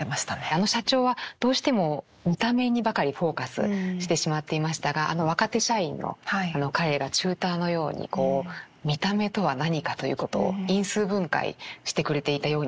あの社長はどうしても見た目にばかりフォーカスしてしまっていましたがあの若手社員の彼がチューターのようにこう見た目とは何かということを因数分解してくれていたように思います。